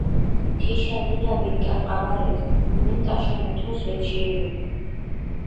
თიშა ნინა ვეკგატყაბარედჷ, უმენტაშო მუთუნს ვეჩიებუდჷ.